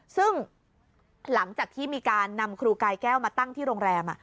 ซึ่งหลังจากที่มีการนำครูกายแก้วมาตั้งที่โรงแรม